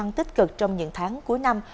tăng tích cực trong những tháng cuối năm